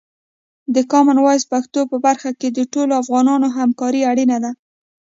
د کامن وایس پښتو په برخه کې د ټولو افغانانو همکاري اړینه ده.